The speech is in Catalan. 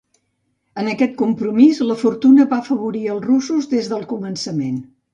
En aquest compromís, la fortuna va afavorir els russos des del començament.